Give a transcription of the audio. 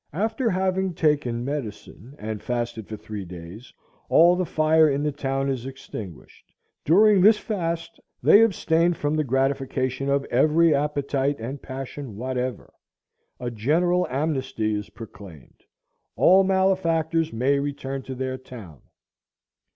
After having taken medicine, and fasted for three days, all the fire in the town is extinguished. During this fast they abstain from the gratification of every appetite and passion whatever. A general amnesty is proclaimed; all malefactors may return to their town.